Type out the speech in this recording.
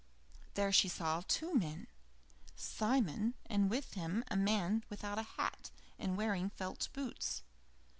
There she saw two men: Simon, and with him a man without a hat, and wearing felt boots.